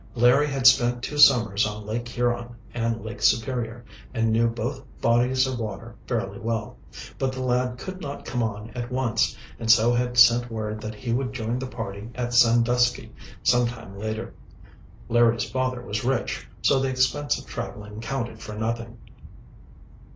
Larry had spent two summers on Lake Huron and Lake Superior, and knew both bodies of water fairly well. But the lad could not come on at once, and so had sent word that he would join the party at Sandusky, some time later. Larry's father was rich, so the expense of traveling counted for nothing.